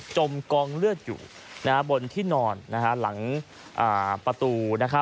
จมกองเลือดอยู่บนที่นอนหลังประตู